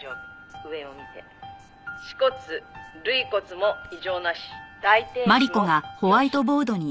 上を見て」「篩骨涙骨も異常なし」「大転子も良し」